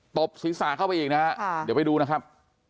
ตบศีรษะเข้าไปอีกนะฮะเดี๋ยวไปดูนะครับ